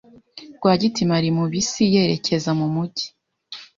Rwagitima ari muri bisi yerekeza mu mujyi.